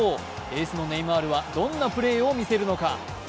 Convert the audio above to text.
エースのネイマールはどんなプレーを見せるのか。